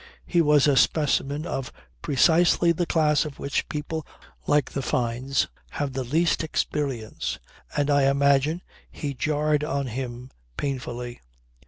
He was a specimen of precisely the class of which people like the Fynes have the least experience; and I imagine he jarred on them painfully.